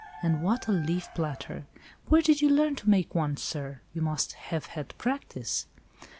And what a leaf platter! Where did you learn to make one, sir? you must have had practice."